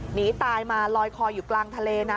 หนีตายมาลอยคออยู่กลางทะเลนะ